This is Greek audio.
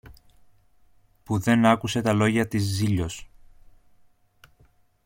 που δεν άκουσε τα λόγια της Ζήλιως.